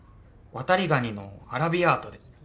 ワタリガニのアラビアータで。